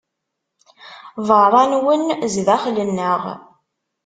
Beṛṛa nnwen, zdaxel nneɣ.